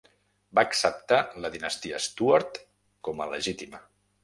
Va acceptar la dinastia Stuart com a legítima.